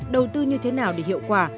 đầu tư như thế nào để hiệu quả